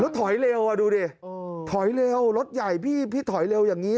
ถอยเร็วอ่ะดูดิถอยเร็วรถใหญ่พี่ถอยเร็วอย่างนี้